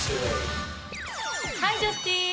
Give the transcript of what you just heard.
ハイジャスティン。